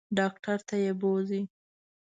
ډاکټر ته یې بوزئ.